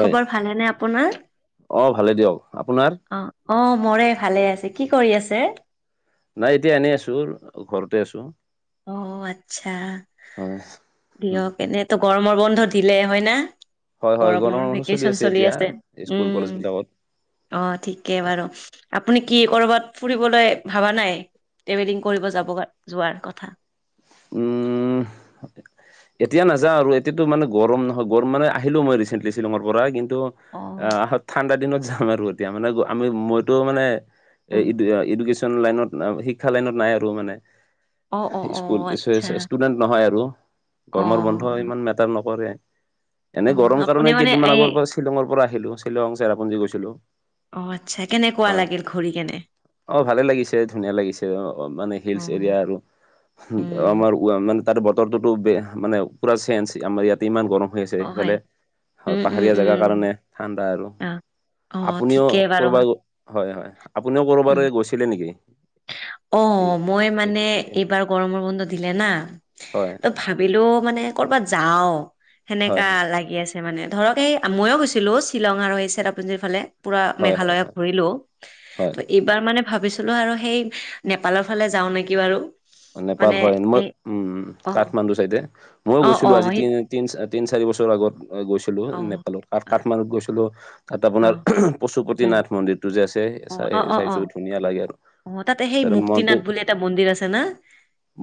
হয় খবৰ ভালেইনে আপোনাৰ? অ' ভালে দিয়ক আপোনাৰ। অ', অ', মৰে ভালে আছে কি কৰি আছে? নাই এতিয়া এনে আছো, ঘৰতেই আছো। অ', আচ্ছা হয় উম দিয়ক, এনেইতো গৰমৰ বন্ধ দিলে হয় না? হয় হয় গৰমৰ বন্ধ ভেকেশচন চলি এতিয়া আছে, স্কুল কলেজ উম। বিলাকত অ' ঠিকে বাৰু আপুনি কি ক'ৰবাত ফুৰিবলৈ ভবা নাই। ট্ৰেভেলিং কৰিব যাব, যোৱাৰ কথা। উম। এতিয়া নাযাওঁ আৰু এতিয়াতো মানে গৰম নহয় গৰম মানে আহিলো মই ৰিচেণ্টলি শ্বিলঙৰ পৰা কিন্ তো অ', আহ ঠাণ্ডা দিনত যাম আৰু এতিয়া মানে আমি মইতো মানে এ উম, ইডুকেশ্যন লাইনত, শিক্ষা লাইনত নাই আৰু মানে। অ', অ'। অ', আচ্ছা [unintelligible] ষ্টুডেন্ট নহয় আৰু অ', গৰমৰ বন্ধ ইমান মেটাৰ নকৰে। এনেই অ', গৰম আপুনি কাৰণে মানে কেইদিনমান এই আগৰ পৰা শ্বিলঙৰ পৰা আহিলো শ্বিলং চেৰাপুঞ্জী গৈছিলো। অ' আচ্ছা কেনেকুৱা হয় লাগিল ঘূৰি কেনে। অ' ভালে লাগিছে ধুনীয়া লাগিছে মানে হিলচ্ অ', এৰিয়া আৰু। উম, আমাৰ ওৱা মানে তাত বতৰটোতো বেয়া মানে পুৰা চেঞ্জ আমাৰ ইয়াতে ইমান গৰম। হৈ আছে অ', হয়। সেইফালে হয়, উম, উম, পাহাৰীয়া উম, জেগাৰ কাৰণে ঠাণ্ডা আৰু, অ', অ', আপুনিও ঠিকেই বাৰু। কৰবা হয় হয় আপুনিও উম, ক'ৰবালে গৈছিলে নেকি। এই অ' মই এই মানে এই এইবাৰ গৰমৰ বন্ধ দিলে না। হয়। ত' ভাবিলো মানে কৰ'বাত যাওঁ, হয় সেনেকা হয় লাগি আছ মানে ধৰক এই ময়ো গৈছিলো শ্বিলং আৰু সেই চেৰাপুঞ্জীৰ ফালে। পুৰা হয় হয় হয় মেঘালয়ত হয় ঘূৰিলো, হয়। ত' এইবাৰ মানে ভাবিছিলো আৰু সেই নেপালৰ ফালে যাওঁ নেকি বাৰু নেপাল মানে হয়, মই এই উম অ', কাঠমাণ্ডু চাইডে, ময়ো অ', গৈছিলো আজি অ', সেই তিন তিন তিন চাৰি বছৰ আগত গৈছিলো অ'। নেপালত আৰু কাঠমাণ্ডুত গৈছিলো। তাত আপোনাৰ অ', উম, পশুপতিনাথ মন্দিৰটো যে আছে, অ', চাই অ', অ', অ', চাইছোঁ, ধুনীয়া লাগে আৰু। অ', তাতে সেই তাৰ মুক্তিনাথ বুলি এটা মন্দিৰ আছে না।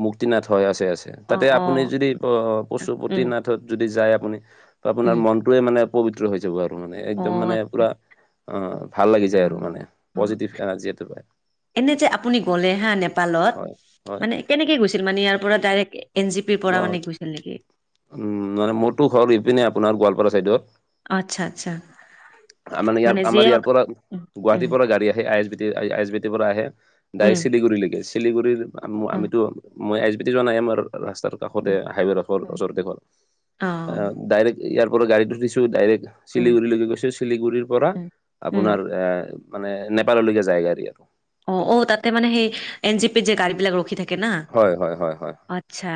মুক্তি নাথ হয়, আছে আছে, তাতে অ', আপুনি অ', যদি উম, পশুপতিনাথত যদি যায় আপুনি আপোনাৰ উম, মনটোৱেই মানে পবিত্ৰ হৈ যাব আৰু একদম অ', মানে আচ্ছা, পুৰা অ', ভাল লাগি আচ্ছা, যায় আৰু মানে, অ', অ'। পজিটিভ এনাৰ্জি এটা পায়। এনে যে আপুনি গ'লে হা নেপালত। হয় হয় মানে কেনেকে গৈছিল মানে ইয়াৰ পৰা ডাইৰেক্ট এন জি পিৰ পৰা অ মানে গৈছিল নেকি? উম, মানে মোৰতো ঘৰ ইপিনে আপোনাৰ গোৱালপাৰা চাইডত। আচ্ছা আচ্ছা মানে ইয়াৰ, আমাৰ যিয়ে ইয়াৰ হওক পৰা উম গুৱাহাটীৰ পৰা গাড়ী আহে, I S B T, S B টিৰ পৰা আহে উম ডাইৰেক্ট শিলিগুৰি লৈকে শিলিগুৰিৰ আমিতো মই এইচ বি টি যোৱা নাই আমাৰ ৰাস্তাৰ কাষতে উম হাইৱেৰ ওচৰতে ঘৰ অ'। ডাইৰেক্ট ইয়াৰ পৰা গাড়ীত উঠিছো ডাইৰেক্ট উম শিলিগুৰিলৈকে গৈছো। শিলিগুৰিৰ পৰা উম উম আপোনাৰ এ মানে নেপাললৈকে যায় গাড়ী আৰু। অ', অ', তাতে মানে সেই, এন জি পি যে গাড়ী বিলাক ৰখি থাক কে না হয় হয় হয় হয় আচ্ছা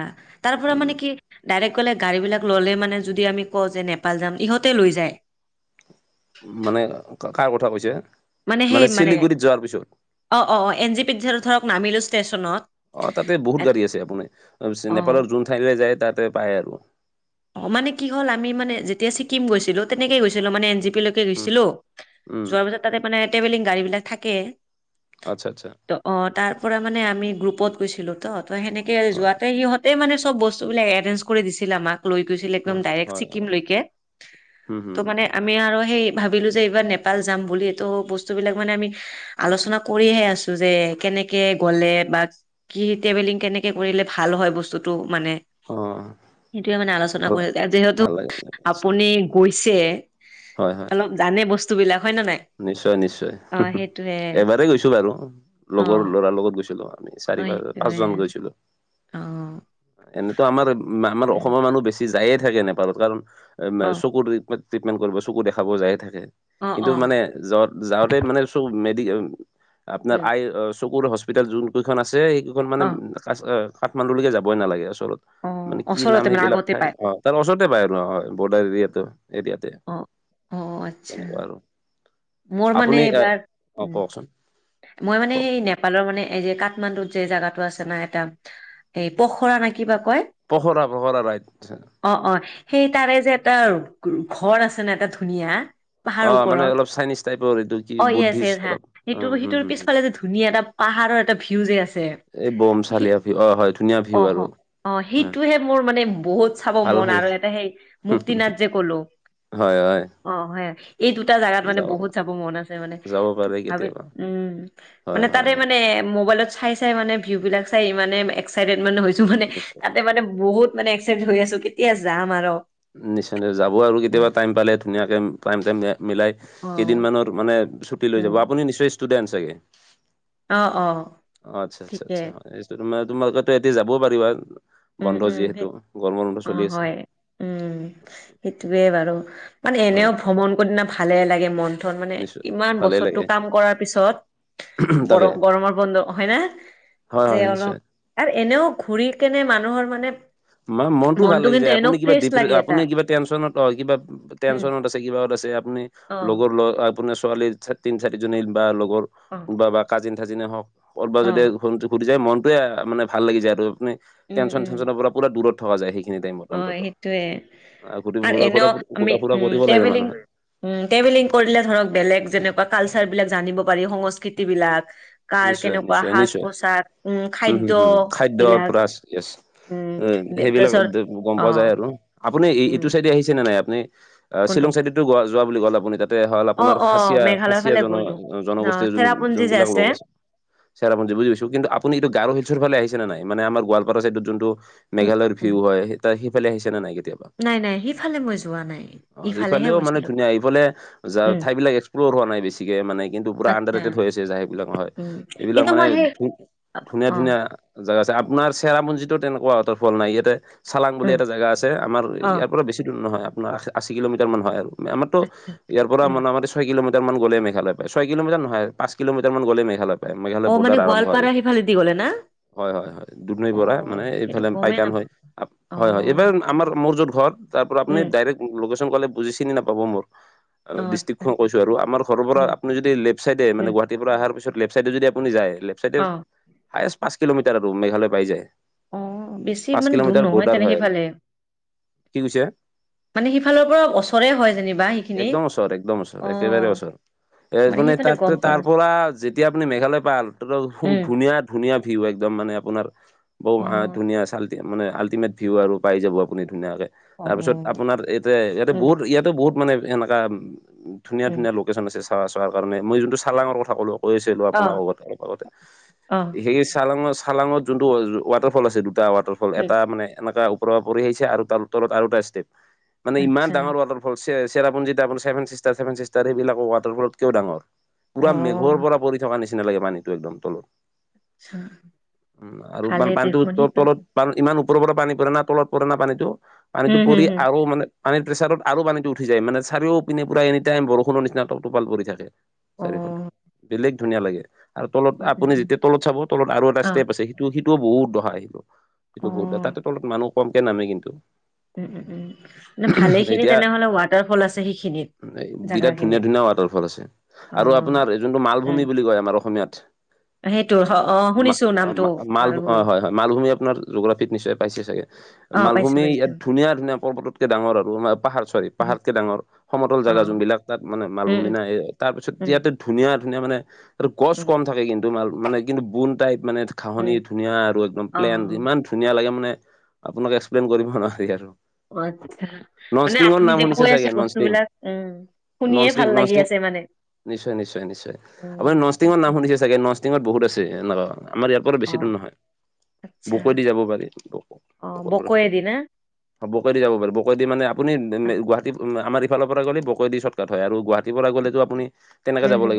তাৰ পৰা উম মানে কি ডাইৰেক্ট গ'লে গাড়ীবিলাক ল'লে মানে যদি আমি কওঁ যে নেপাল যাম ইহঁতে লৈ যায়। মানে কাৰ কথা কৈছা? মানে শিলিগুৰিত যোৱাৰ পিছত। অ অ অ এন জি পিত ধৰক নামিলো ষ্টেচনত অ', তাতেই বহুত এ- গাড়ী আছে আপুনি অ নেপালৰ যোন ঠাইলে যায়, তাতেই পায় আৰু। অ', মানে কি হ'ল? আমি মানে যেতিয়া চিকিম গৈছিলো, তেনেকেই গৈছিলো মানে এন জি পি উম গৈছিলো, উম যোৱাৰ পিছত তাতে মানে ট্ৰেভেলিং গাড়ী বিলাক থাকে। আচ্ছা আচ্ছা। ত', অ', তাৰ পৰা মানে আমি গ্ৰুপত গৈছিলো ত', ত' সেনেকে হয় যোৱাতে সিহঁতেই মানে চব বস্ তো বিলাক এৰেঞ্জ কৰি দিছিল আমাক। লৈ গৈছিলে, একদম হয় ডাইৰেক্ট হয় চিকিম হয় লৈকে, হুম হুম ত' হুম মানে হুম। আমি আৰু সেই ভাবিলোঁ যে এইবাৰ নেপাল যাম বুলি এইটো বস্তুবিলাক মানে আমি আলোচনা কৰিহে আছোঁ যে, কেনেকে গ'লে বা কি ট্ৰেভেলিং কেনেকে কৰিলে ভাল হয় বস্তুটো মানে? অহ এইটোৱে মানে আলোচনা কৰি যায় যিহেতু ভাল লাগে আছে। আপুনি গৈছে। হয় হয়। অলপ জানে বস্তু বিলাক হয় না নাই। নিশ্চয় নিশ্চয়, অ' হোহু সেইটোৱে এবাৰেই গৈছো বাৰু, লগৰ অ' ল'ৰাৰ লগত গৈছিলো। আমি অ চাৰি বাৰ সেইটোৱে পাঁচজন গৈছিলো, অ' এনেতো আমাৰ আমাৰ উম, অসমৰ মানুহ বেছি বেছি যায়ে থাকে নেপালত কাৰণ এ মে অ' চকুৰ ট্ৰিটমেন্ট কৰিব চকু দেখাবও যায়ে থাকে। অ' কিন্তু অ' মানে য যাওঁতে মানে চক মেডিকেল আপোনাৰ উম, আই চকুৰ হস্পি হস্পিতেল যোনকেইখন আছে সেইকেইখন মানে অ' কা কাঠমাণ্ডলৈকে যাবই নালাগে আচল অ' মানে কি নাম ওচৰতে মানে সেইবিলাক আগতে ঠাই পায় অ'হ। তাৰ পৰা ওচৰতে পায় হয় বৰ্ডাৰ এৰিয়াটো এৰিয়াতে, অ'। অ' আচ্ছা তেনেকুৱা আৰু। মোৰ মানে আপুনি এ এইবাৰ, অ উম। কওকচোন মই মানে কওক সেই নেপালৰ মানে এই কাঠমাণ্ডুত যে জাগাটো আছে না এটা এই পখৰা নাই কিবা কয়। পখৰা পখৰা ৰাইড অহ', অহ', সেই তাৰে যে এটা ঘৰ আছে না' এটা ধুনীয়া। অহ' মানে অলপ চাইনিজ টাইপৰ এইটো কি অহ, ইয়েছ বুদ্ধিষ্ট ইয়েছ হা, অলপ সেইটো উম হম সেইটোৰ হম পিছফালে যে, ধুনীয়া এটা পাহাৰৰ এটা ভিউ যে আছে। এই সি বমচালিয়া ভিউ অ হয় ধুনীয়া ভিউ অহ, আৰু ', হয় সেইটোহে মোৰ মানে বহুত চাব ভাল মন লাগে আৰু এটা সেই মুক্তি নাথ যে গ'লো, হয় হয় অহ' হয় এই দুটা জাগাত মোৰ মানে যাব বহুত চাব মন আছে মানে। যাব পাৰে ভাবে কেতিয়াবা উম, হয় মানে হয় তাৰে হয় মানে মোবাইলত চাই চাই মানে ভিউ বিলাক চাই ইমানে এক্সাইটেড মানে হৈছো মানে নিশ্চয় তাতে মানে বহুত মানে এক্সাইট হৈ আছো, কেতিয়া যাম আৰু। নিশ্চয়, নিশ্চয় যাব আৰু কেতিয়াবা উম টাইম পালে ধুনীয়াকে। টাইম টাইম মিলাই অ কেইদিনমানৰ মানে, ছুটি লৈ উম যাব। আপুনি নিশ্চয় ইষ্টুডেণ্ট চাগে অহ অহ অহ আচ্ছা আচ্ছা আচ্ছা তোমালোক এদিন যাবও পাৰিবা উম বন্ধ উম সেই যিহেতু গৰমৰ বন্ধ অ', চলি হয়, আছে উম সেইটোৱে বাৰু মানে এনেও হয় ভ্ৰমণ কৰি না ভালে লাগে মন ধৰ মানে নিশ্চয় ইমান ভালেই লাগে বছৰটো কাম কৰাৰ পিছত তাকে গৰম গৰমৰ বন্ধ হয় নে হয় যে হয় নিশ্চয় অলপ আৰু এনেও ঘূৰি কেনে মানুহৰ মানে মানে মনতো ভাল মনটো লাগি কিন্তু যায় এনেও আপুনি কিবা ফ্ৰেছ ডি অহ লাগে এটা। আপুনি কিবা টেনচনত অহ কিবা উম, টেনচনত আছে কিবাহত আছে আপুনি অ', লগৰ লগত আপোনাৰ ছোৱালী তিনি চাৰিজনী বা লগৰ অ', কোনোবা বা কাজিন তাজিনে হওঁক কৰ'বাৰ যদি অ', ফূৰ্তি যায় মনটোৱে মানে ভাল লাগি যায়, আৰু তোৰ মানে উম, উম, টেনচন-সেনচন পৰা পোৰা দূৰত থকা যায় সেইখিনি টাইমত অ', অন্তত সেইটোয়ে অহ, আৰু ঘূৰ-ফুৰা কৰা এনেও আমি ঘুৰা-ফুৰা উম, কৰিব লাগে ট্ৰেভেলিং মানুহে। উম ট্ৰেভেলিং কৰিলে, ধৰক বেলেগ যেনেকোৱা কালচাৰ বিলাক জানিব পাৰি, সংস্কৃতি বিলাক। কাৰ নিশ্চয় কেনেকুৱা নিশ্চয় সাজ নিশ্চয়। পোছাক উম হুম খাদ্য হুম খাদ্যৰ বিলাক পৰা য়েছ উম দে পে সেইবিলাক চৰ দ- গ'ম পোৱা যায় আৰু আপুনি‌ ই ই এইটো চাইডে আহিছে নে নাই আপুনি আ কোনটো শ্বিলং চাইডেতো গোৱা যোৱা বুলি ক'লে আপনি তাতে হ'ল আপোনাৰ অ', অ', খাচিয়া খাচীয়া জন জনগোষ্ঠীৰ যোন যি যে আছে চেৰাপুঞ্জি বুজিছো, কিন্তু আপুনি এইটো গাওঁৰ শিলচৰফালে আহিছে নে নাই, মানে আমাৰ গোৱালপাৰা চাইডত যোনটো উম, মেঘালয়ৰ উম, ভিউ হয় সেই তাৰ সেইফালে আহিছে নে নাই কেতিয়া নাই নাই সিফালে মই যোৱা নাই। অ' ইফালেহে এইফালেও মানে গৈছিলো ধুনীয়া এইফালে যা উম, ঠাই বিলাক একসপ্লৰ' হোৱা নাই বেছিকে মানে কিন্তু পুৰা আণ্ডাৰ আচ্ছা ৰেটেড হৈ আছে যাই বিলাক হয় উম, এইবিলাক কিন্তু মানে মই সেই ধু ধুনীয়া অ', ধুনীয়া। জেগা চাই, আপোনাৰ চেৰাপুঞ্জীটো তেনেকুৱা ৱাটাৰফল নাই, ইয়াতে চালাং বুলি উম, এটা জেগা আছে আমাৰ অ', ইয়াৰ পৰা বেছি দূৰ নহয় আপোনাৰ আ আছী কিলোমিটাৰ মান হয় আৰু। মেৰমটো ইয়াৰ পৰা উম, মনা মাতিছ ছয় কিল'মিটাৰ মান গ'লে মেঘালয় পাই, ছয় কিল'মিটাৰ নহয়, পাঁচ কিল'মিটাৰ মান গ'লে মে মে মেঘালয় অ', মানে বৰডাৰ আৰম্ভ আৰু গোৱালপাৰা সিফালেদি গ'লে না? হয় হয় হয় দুধ নৈ বৰা অ', মানে সেইটো এইফালে গমেই পাইকাণ নাপ হৈ আপ হয় হয় এইবাৰ অ', আমাৰ মোৰ যত ঘৰ তাৰ পৰা আপুনি উম, ডাইৰেক্ট লোকেশ্যন ক'লে বুজি চিনি নাপাব মোক, আৰু অ', দিষ্ট্ৰিক আচ্ছা খন কৈছোঁ আৰু আমাৰ ঘৰৰ পৰা উম, আপুনি দি লেফ চাইডে মানে উম, গুৱাহাটীৰ পৰা অহাৰ পিছত লেফ চাইডে যদি আপুনি যায় লেফট চাইডে অ', হায়েষ্ট পাঁচ কিলোমিটাৰ আৰু মেঘালয় পাই যায়। অ', বেছি পাঁচ মানে দূৰ কিলোমিটাৰ নহয় বৰ্ডাৰ তেনে হয় আৰু সিফালে কি কৈছে মানে সিফালৰ পৰাও অচৰে হয় যেনিবা সেইখিনি একদম ওচৰ একদম ওচৰ অ একেবাৰে ওচৰ। এ মানে সেইফালে তাততো গম পোৱা তাৰ পৰা যেতিয়া আপুনি মেঘালয় পাল ততু ধো ধুনীয়া ধুনীয়া ভিউ একদম মানে আপোনাৰ [unintelligible] আহ ধুনীয়া চাল মানে আল্টিমেট ভিউ আৰু পাই যাব আপুনি ধুনীয়াকে। তাৰ পিছত আপোনাৰ ইতে ইয়াতে বহুত ইয়াতে বহুত মানে সেনেকা ধুনীয়া ধুনীয়া লোক কেচন আছে চা চাৱাৰ কাৰণে মই যোনটো চালাঙৰ কথা কলো কইছিলো আপোনাক অগতে অলপ আগতে সেই চালাঙৰ চালাঙত যোনটো ৱাটাৰফল আছে দুটা ৱাটাৰফল এটা মানে এনেকা পৰা পৰি আহিছে আৰু তাৰ তলত আৰু এটা ষ্টেপ মানে ইমান ডাঙৰ ৱাটাৰ চে চেৰাপুঞ্জীত আপুনি চেভেন চিষ্টাৰ চেভেন চিষ্টাৰ সেইবিলাকৰ ৱাটাৰ ফলতকৈও ডাঙৰ পুৰা মেঘৰ পৰা পৰি থকাৰ নিচিনা লাগে পানীতটো একদম তলত উম আৰু পান পানটো ত তলত পান ইমান ওপৰৰ পৰা পানী পৰে না তলত পৰে না, পানীতটো পানীতটো পৰি আউ মানে পানীৰ প্ৰেছাৰত আৰু পানীটো উঠি যায় মানে চাৰিও পিনে পুৰা এনি টাইম বৰষুণৰ নিচিনা ট টপাল পৰি থাকে। চাৰিওফালে বেলেগ ধুনীয়া লাগে আৰু তলত আপুনি যেতিয়া তলত চাব, তলত আৰু এটা অ। ষ্টেপ আছে। হেটো সিটোও বহুত দহা আহিব। [unintelligible] অঁ, তাতে তলত মানুহ কমকে নামে কিন্তু। উম উম উম মানে ভালে খিনি তেনেহ'লে ৱাটাৰফল আছে সেইখিনিত এই বিৰাট ধুনীয়া জাগাখিনিত। ধুনীয়া ৱাটাৰফল আছে। আৰু অঁ। আপোনাৰ যোনটো উম। মালভূমি বুলি কয়, আমাৰ অসমীয়াত। সেইটো হ অঁ, মা শুনিছো অ নামটো মা মাল অ মালভূমি। হয় হয় মালভূমি আপোনাৰ জোগ্ৰাফিত নিশ্চয় পাইছে চাগে অ, পাইছো, মালভূমি পাইছো। ইয়াত ধুনীয়া ধুনীয়া পৰ্বতটোতকে ডাঙৰ আৰু আমাৰ পাহাৰ চৰি উহু, পাহাৰতকে ডাঙৰ সমতল জেগা অঁ। যোনবিলাক তাত মানে উম, মালভূমি উম, নাই, এই তাৰ পিছত উম, ইয়াতে ধুনীয়া ধুনীয়া মানে আৰু গছ উম। কম থাকে কিন্তু মাল মানে কিন্তু বোন টাইপ মানে ঘাঁহনি উম। ধুনীয়া আৰু একদম অঁ, প্লেন, অঁ। ইমান ধুনীয়া লাগে মানে আপোনাক এক্সপ্লেইন কৰিব নোৱাৰি আৰু। অ আতছা মানে ননষ্টিঙৰ আপুনি নাম যে শুনিছে কৈ আছে চাগে বস্তু ননষ্টিং বিলাক উম, শুনিয়ে ননষ্টিং ভাল লাগি ননষ্টিং আছে মানে। নিশ্চয় নিশ্চয় নিশ্চয়, উম আপুনি নষ্টিঙৰ নাম ঠিকে শুনিছে চাগে নষ্টিঙত বহুত আছে ন' আমাৰ ইয়াত বৰ অ বেছি দূৰ নহয় আচ্ছা বকৈ দি যাব পাৰি বক অ বকৰ পৰা ভিতৰত বকৈয়েদি না বকৈ দি যাব পাৰব বকৈ দি মানে আপুনি নে নে গুৱাহাটী আমাৰ এই ফালৰ পৰা গ'লে বকৈ দি ছত কাট হয় আৰু গুৱাহাটী পৰা গ'লেটো আপুনি তেন উম হুম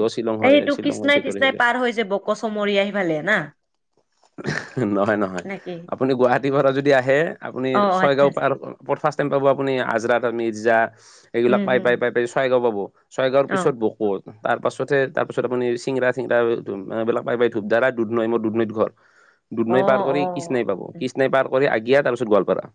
এইটো কৃষ্ণাই তৃষ্ণাই পাৰ হৈ যাব কচমৰিয়া হিফালে না। নহয় নহয় নেকি আপুনি গুৱাহাটীৰ পৰা যদি আহে আপুনি অ অ' আচ্ছা ছৱাইগাঁও আচ্ছা পাৰ পৰ ফাৰ্ষ্ট টাইম পাব আপুনি আজৰাতা নিৰ্জা এইবিলাক উম পাই হম পাই পাই পাই চৱাইগাও পাব। ছৰাইগাঁৱৰ অ পিছত বকত। তাৰপাছতহে তাৰ পাছত আপুনি চিংৰা চিংৰা এই তোম এইবিলাক পাই পায় ধূপধাৰা দুধনৈ মৰ দুধনৈত ঘৰ। [inaudible] দুধনৈ পাৰ অ কৰি কৃষ্ণাই পাব। উম, কৃষ্ণাই পাৰ কৰি আগিয়া, তাৰ পিছত গোৱালপাৰা।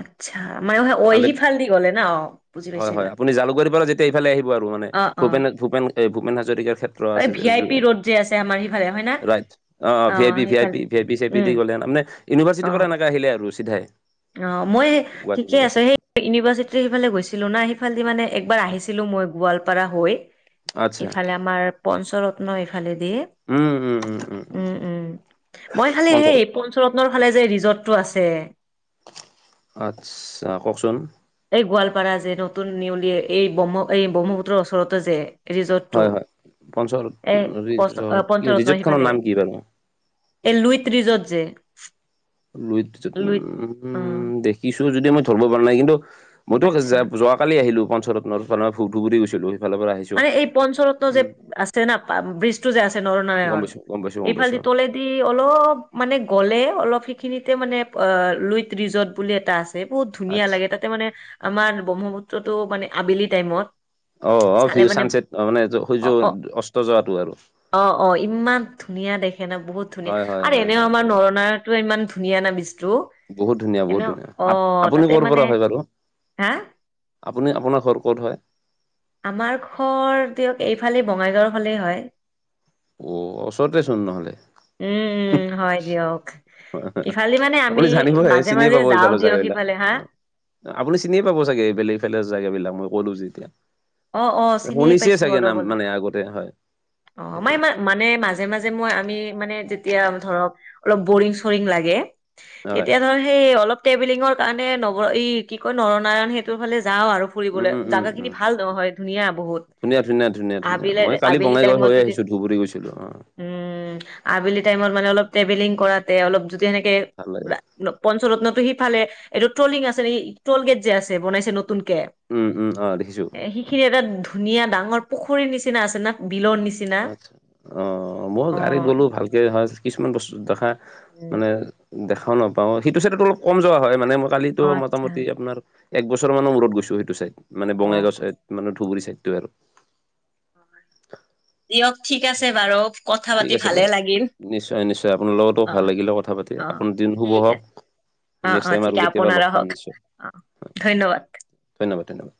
আত্চ্ছা মায় হে অই হাণ্ড্ৰেড হিফাল দি গলে না অ বুজি পাইছো হয় হয় এইবাৰ। আপুনি জালুকবাৰীৰ পৰা যেতিয়া এইফালে আহিব আৰু মানে অ অ ভূপে, ভূপেন, ভূপে হাজৰিকাৰ ক্ষেত- ত্ৰ এই আছে যে ভি আই পি জুয়ে, ৰোড যে আছে আমাৰ সিফালে হয় না ৰাইট অ অ V I P, V I P, V I P, C I C দি উম গ'লে, নামেনে ইউনিভাৰ্চিটিৰ অ পৰা এনেকৈ আহিলে আৰু চিধাই। অ মই হে গুৱাহাটী ঠিকে আছো ইউনিভাৰ্চিটি সে- ইউনিভাৰ্চিটি সেইফালে গৈছিলো না সিফালেদি মানে একবাৰ আহিছিলো মই গোৱালপাৰা হৈ। আচ্ছা ইফালে আমাৰ পঞ্চৰত্ন ইফালে দি উম উম উম উম উম। মই খালি সেই পঞ্চৰত পচ ৰত্নৰ ফালে যে ৰিজৰ্টটো আছে। আত্চ্ছা কওঁকচোন? এই গোৱালপাৰা যে নতুন নিউলিয়ে এই ব্ৰহ্ম এই ব্ৰহ্মপুত্ৰ ওচৰতে যে ৰিজৰ্টটো হয় হয় পঞ্চৰত এ পষ্ট ৰিজৰ্ট কি পঞ্চৰত্ন ৰিজৰ্টখনৰ সিফালে নাম কি বাৰু এই লুইট ৰিৰ্জত যে। লুইট ৰিজৰ্ট লুইত উম অ হুম দেখিছো যদি মই ধৰব পৰা নাই কিন্তু মইতো আচ্ছা যাব যোৱা কালি আহিলো, পঞ্চৰত্ন পনা ধুবৰি গৈছিলো, সেইফালৰ পৰা আহিছ মানে এই পঞ্চৰত্ন যে আছে না পা ৰ্বিজটো যে আছে গম নৰনাৰায়ণ পাইছো গম পাইছো গম পাইছো এইফালদি তলে- টি অলপ মানে গ'লে অলপ সেইখিনিতে মানে অ লুইত ৰিজৰ্ট বুলি এটা আছ- টে বহুত ধুনীয়া আচ্ছা লাগে তাতে মানে আমাৰ ব্ৰহ্মপুত্ৰটো মানে আবেলি টাইমত অ অ চালে ভিউ মানে চানচেট অ মানে অ সূৰ্য অ অস্ত যোৱাটো আৰু। অ অ ইমান ধুনীয়া দেখে না বহুত ধুনীয়া হয় হয় আৰে হয় এনেও হয় আমাৰ নৰনাৰায়- টো ইমান ধুনীয়া না বিস্তটো বহুত ধুনীয়া বহুত ধুনীয়া আ আপুনি কৰ মানে পৰা হয় বাৰু? হা আপুনি আপোনাৰ ঘৰ ক'ত হয়? আমাৰ ঘৰ দিয়ক এইফালে বঙাইগাঁও হ'লে হয়। অ ওচৰতে চোন নহ'লে। উম উম হয় দিয়ক। ইফালে মানে আমি আপুনি জানিবহে মাজে চিনিয়ে মাজে পাব যাওঁ এইফালৰ দিয়ক জেগাবিলাক সিফালে হা। অ আপুনি চিনিয়ে পাব চাগে, এইবেলে এইফালে জাইগা বিলাক, মই ক'লো যে এতিয়া। অ', অ', চিনিয়ে শুনিছে পাইছো চাগে অলপ নাম অলপ। মানে আগতে হয়, অ', মই সেইটোৱে। ইমান মানে মাজে মাজে মই আমি মানে যেতিয়া ধৰক অলপ বৰিং চৰিং লাগে। হয় এতিয়া ধৰ সেই অলপ ট্ৰেভেলিঙৰ কাৰণে নগৰ এই কি কয় নৰনাৰায়ণ সেতুৰ ফালে যাওঁ আৰু। ফুৰিবলৈ উম উম জাগাখিনি উম ভাল। নহয় ধুনীয়া বহুত ধুনীয়া ধুনীয়া ধুনীয়া ধুনীয়া আবিলে মই কালি আবেলি বঙাইগাঁও টাইমত হৈ যদি আহিছো ধুবুৰী গৈছিলো অ উম আবেলি টাইমত মানে অলপ ট্ৰেভেলিং কৰাতে অলপ যদি সেনেকে ভাল লাগে পঞ্চৰত্নটো সিফালে এইটো ট্ৰলিং আছে নে ট্ৰল গেট যে আছে বনাইছে নতুনকে উম উম অ দেখিছো সিখিনি এটা ধুনীয়া ডাঙৰ পুখুৰীৰ নিচিনা আছে না বিলৰ নিচিনা। আ অ মই গাড়ীত অ', গ'লো ভালকে হয় কিছুমান বস্তু দেখা। মানে অ', দেখাও নাপাওঁ সেইটো চাইটোতো অলপ কম যোৱা হয়। মানে মই কালিতো আচ্ছা। মোটামুটি আপোনাৰ এক বছৰ মানৰ মূৰত গৈছো। সেইটো চাইদ মানে বঙাইগাঁওৰ অ', ছাইদ মান ধুবুৰী চইটতো আৰু দিয়ক ঠিক আছে বাৰু- কথা পাতি ঠিক আছে ভালে বাৰু লাগিল। নিশ্চয় নিশ্চয় আপোনাৰ লগতো ভাল অ', লাগিলে। কথা পাতি অ', আপোনাৰ দিন শুভ ঠিক আছে হওক- অ', নেক্সট অ', টাইম ঠিক আপোনাৰো কেতিয়া হওক নিশ্চয় অ', ধন্যবাদ। ধন্যবাদ ধন্যবাদ।